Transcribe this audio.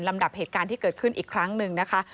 ดับเหตุการณ์ที่เกิดขึ้นอีกครั้งหนึ่งนะคะ